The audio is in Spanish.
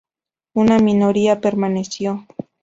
Una minoría permaneció.